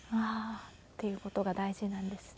っていう事が大事なんですね。